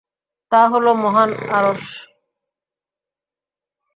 তাহলো মহান আরশ।